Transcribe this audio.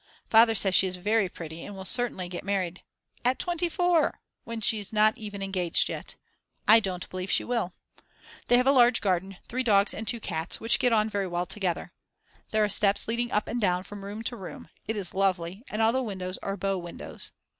Father says she is very pretty and will certainly get married At 24!! when she's not even engaged yet; I don't believe she will. They have a large garden, 3 dogs and 2 cats, which get on very well together. There are steps leading up and down from room to room, it is lovely, and all the windows are bow windows.